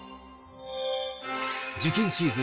受験シーズン